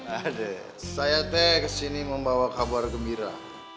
aduh saya teh kesini membawa kabar gembira